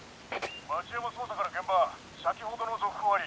町山捜査から現場先ほどの続報あり。